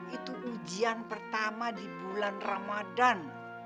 itu ujian pertama di bulan ramadan